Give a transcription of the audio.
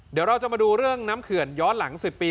เดี๋ยวเราจะมาดูเรื่องน้ำเขื่อนย้อนหลัง๑๐ปี